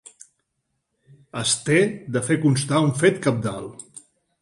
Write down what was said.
Es té de fer constar un fet cabdal